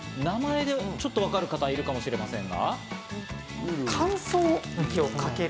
名前でちょっとわかる方、いるかもしれませんが。